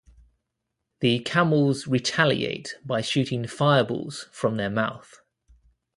The camels retaliate by shooting fireballs from their mouth.